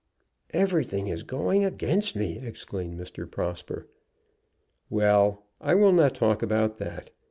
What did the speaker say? "Everything is going against me!" exclaimed Mr. Prosper. "Well: I will not talk about that.